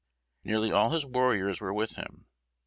Nearly all his warriors were with him.